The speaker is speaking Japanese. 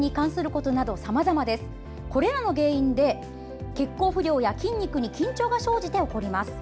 これらの原因で血行不良や筋肉に緊張が生じて起こります。